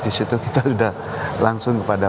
disitu kita sudah langsung kepada